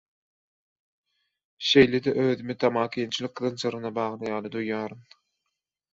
Şeýle-de özümi tamakinçilik zynjyryna bagly ýaly duýýaryn.